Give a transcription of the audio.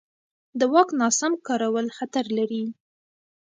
د واک ناسم کارول خطر لري